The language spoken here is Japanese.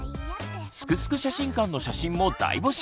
「すくすく写真館」の写真も大募集。